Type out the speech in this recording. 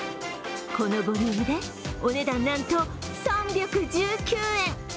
このボリュームでお値段なんと３１９円。